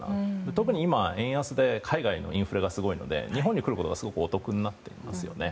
特に今、円安で海外のインフレがすごいので日本に来るほうがお得になっていますよね。